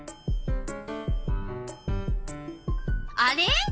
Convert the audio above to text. あれ？